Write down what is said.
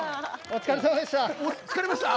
お疲れさまでした！